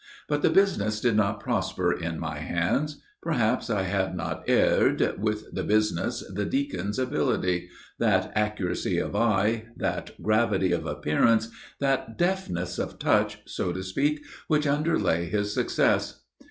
But the business did not prosper in my hands; perhaps, I had not heired, with the business, the deacon's ability, that accuracy of eye, that gravity of appearance, that deftness of touch, so to speak, which underlay his success.